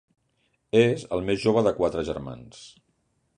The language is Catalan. És el més jove de quatre germans.